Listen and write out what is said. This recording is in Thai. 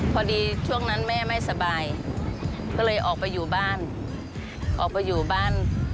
พอดีช่วงนั้นแม่ไม่สบายก็เลยออกไปอยู่บ้าน